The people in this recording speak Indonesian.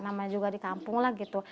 namanya juga di kampung lah gitu